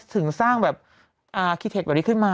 ถึงสร้างแบบอาร์กิเทศแบบนี้ขึ้นมาค่ะ